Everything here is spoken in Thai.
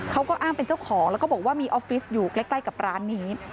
เขาก็อ้างเป็นเจ้าของแล้วก็บอกว่ามีออฟฟิศอยู่ใกล้กับร้านนี้